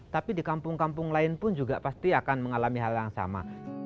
tapi di kampung kampung lain pun juga pasti akan mengalami hal yang sama